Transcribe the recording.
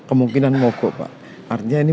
kemungkinan mogok pak artinya ini